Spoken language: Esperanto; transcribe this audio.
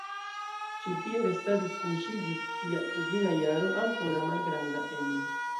Ĉi tie restadis kun ŝi ĝis sia kvina jaro ankaŭ la malgranda Emil.